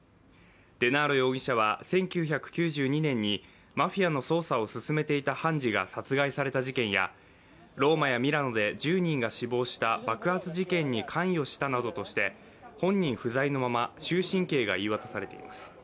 デナーロ容疑者は１９９２年にマフィアの捜査を進めていた判事が殺害された事件や、ローマやミラノで１０人が死亡した爆発事件に関与したなどとして本人不在のまま終身刑が言い渡されています。